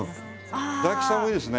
大吉さんもいいですね。